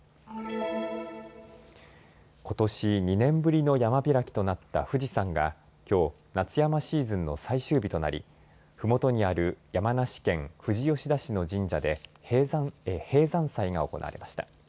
ことし２年ぶりの山開きとなった富士山がきょう夏山シーズンの最終日となりふもとにある山梨県富士吉田市の神社で閉山祭が行われました。